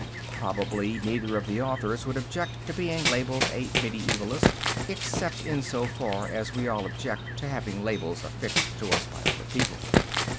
Probably, neither of the authors would object to being labelled a mediaevalist, except in so far as we all object to having labels affixed to us by other people.